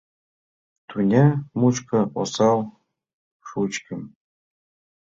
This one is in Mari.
Тӱня мучко осал-шучкым